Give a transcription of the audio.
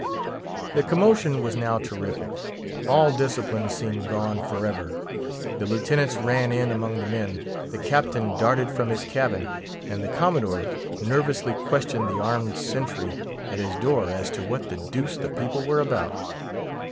The commotion was now terrific; all discipline seemed gone for ever; the Lieutenants ran in among the men, the Captain darted from his cabin, and the Commodore nervously questioned the armed sentry at his door as to what the deuce the people were about.